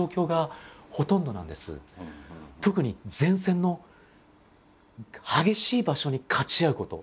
特に前線の激しい場所にかち合うこと。